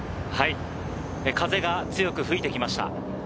風が強く吹いてきました。